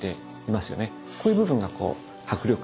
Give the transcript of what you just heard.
こういう部分が迫力をね